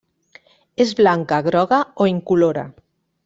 És blanca, groga o incolora.